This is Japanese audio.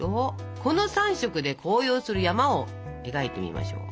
この３色で紅葉する山を描いてみましょう。